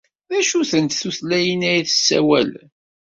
D acu-tent tutlayin ay tessawalem?